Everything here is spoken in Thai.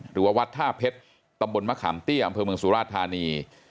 หรือว่าวัดท่าเพชรตำบลมะขามเตี้ยอำเภอเมืองสุราชธานี